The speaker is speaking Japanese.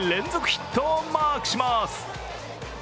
ヒットをマークします。